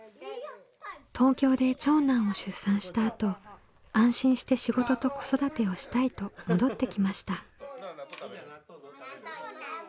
東京で長男を出産したあと安心して仕事と子育てをしたいと戻ってきました。